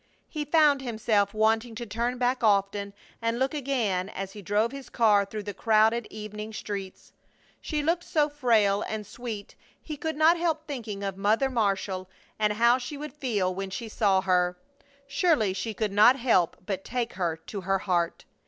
He found himself wanting to turn back often and look again as he drove his car through the crowded evening streets. She looked so frail and sweet he could not help thinking of Mother Marshall and how she would feel when she saw her. Surely she could not help but take her to her heart!